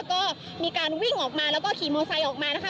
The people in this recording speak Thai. ก็มีการวิ่งออกมาแล้วก็ขี่มอไซค์ออกมานะคะ